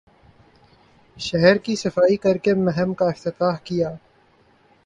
شہر کی صفائی کر کے مہم کا افتتاح کیا